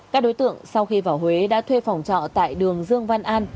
các đối tượng sau khi vào huế đã thuê phòng trọ tại đường dương văn an